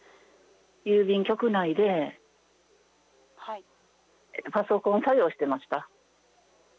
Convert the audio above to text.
郵便局内でパソコン作業をしていました。